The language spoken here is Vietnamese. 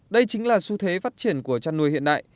đây chính là xu thế phát triển của chăn nuôi hiện đại